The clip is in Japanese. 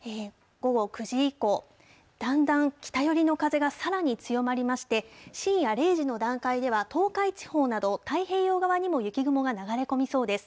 午後９時以降、だんだん北寄りの風がさらに強まりまして、深夜０時の段階では、東海地方など、太平洋側にも雪雲が流れ込みそうです。